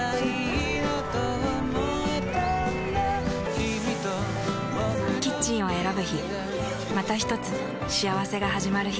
キミとボクの未来だキッチンを選ぶ日またひとつ幸せがはじまる日